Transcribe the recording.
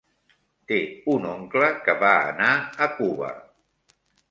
Té un oncle que va anar a Cuba.